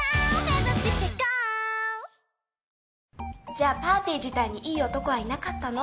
じゃあパーティー自体にいい男はいなかったの？